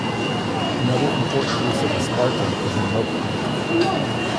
Another important use of esparto is in rope-making.